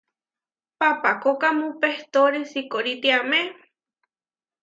Papahkókamu pehtóri sikóri tiamé.